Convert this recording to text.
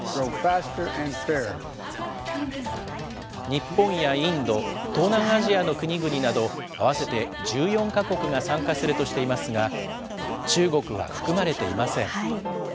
日本やインド、東南アジアの国々など、合わせて１４か国が参加するとしていますが、中国は含まれていません。